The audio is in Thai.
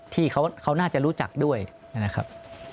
ที่เขาน่าจะรู้จักด้วยนะครับ